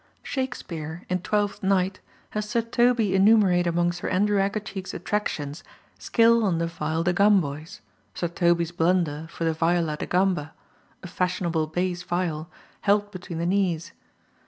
Shakespeare, in Twelfth Night, has Sir Toby enumerate among Sir Andrew Aguecheek's attractions skill on the viol de gamboys, Sir Toby's blunder for the viola da gamba, a fashionable bass viol held between the knees.